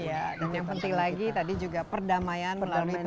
iya dan yang penting lagi tadi juga perdamaian melalui